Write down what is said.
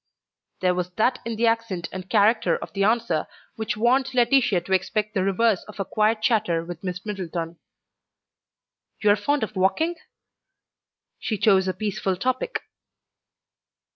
There was that in the accent and character of the answer which warned Laetitia to expect the reverse of a quiet chatter with Miss Middleton. "You are fond of walking?" She chose a peaceful topic.